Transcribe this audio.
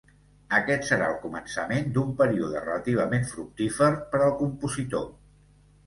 Aquest serà el començament d'un període relativament fructífer per al compositor.